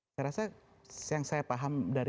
saya rasa yang saya paham dari